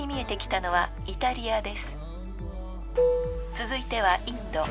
［続いてはインド］